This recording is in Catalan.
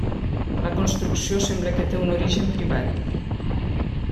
La construcció sembla que té un origen privat.